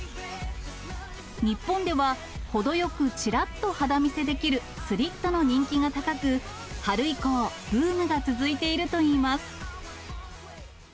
日本では、ほどよくちらっと肌見せできるスリットの人気が高く、春以降、ブームが続いているといいます。